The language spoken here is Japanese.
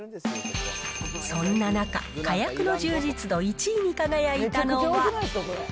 そんな中、かやくの充実度１位に輝いたのは。